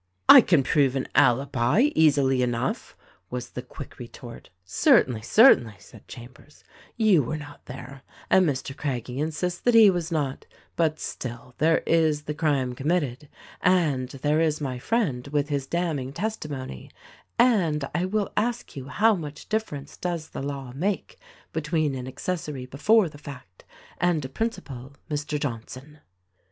"I can prove an alibi, easily enough," was the quick re tort. "Certainly, certainly!" said Chambers, "you were not there — and Mr. Craggie insists that he was not — but still, there is the crime committed, and there is my friend with his damning testimony ; and I will ask you how much difference does the law make between an accessory before the fact and a principal, Mr. Johnson?"